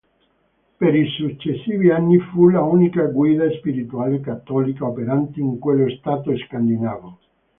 Per i successivi anni fu l'unica guida spirituale cattolica operante in quello stato scandinavo.